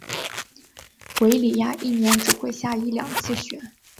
韦里亚一年只会下一两次雪。